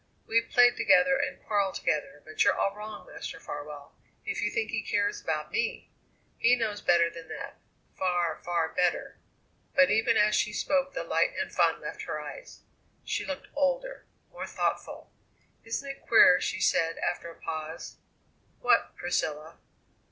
We've played together and quarrelled together, but you're all wrong, Master Farwell, if you think he cares about me! He knows better than that far, far, better." But even as she spoke the light and fun left her eyes. She looked older, more thoughtful. "Isn't it queer?" she said after a pause. "What, Priscilla?"